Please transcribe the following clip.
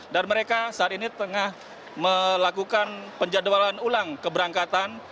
dan mereka saat ini tengah melakukan penjadwalan ulang keberangkatan